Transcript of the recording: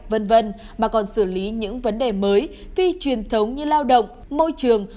v v mà còn xử lý những vấn đề mới phi truyền thống như lao động môi trường